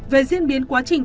về diễn biến quá trình